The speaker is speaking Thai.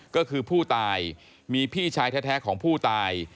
ก็คือผู้ตายมีพี่ชายแท้ของผู้ตาย